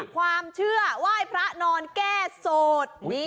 ความเชื่อไหว้พระนอนแก้โสด